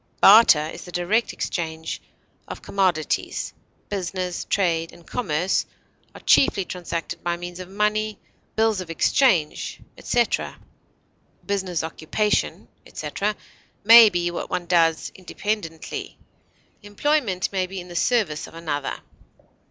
Barter is the direct exchange of commodities; business, trade, and commerce are chiefly transacted by means of money, bills of exchange, etc. Business, occupation, etc., may be what one does independently; employment may be in the service of another.